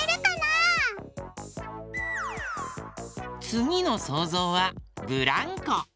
つぎのそうぞうはブランコ。